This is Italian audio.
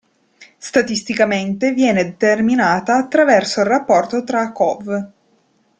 Statisticamente viene determinata attraverso il rapporto tra Cov.